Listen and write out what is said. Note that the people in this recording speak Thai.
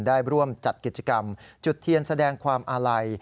ได้ร่วมจัดกิจกรรมจุดเทียนแสดงความอาลัย